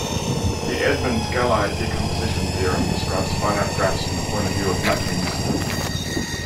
The Edmonds-Gallai decomposition theorem describes finite graphs from the point of view of matchings.